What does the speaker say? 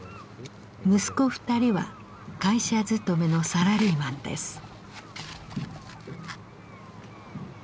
息子２人は会社勤めのサラリーマンです。